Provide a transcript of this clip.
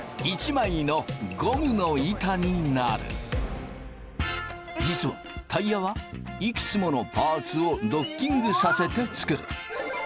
一枚の実はタイヤはいくつものパーツをドッキングさせて作る。